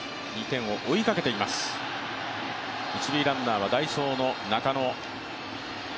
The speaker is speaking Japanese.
一塁ランナーは代走の中野。